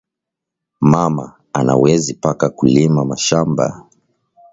Mama anawezi paka ku lima mashamba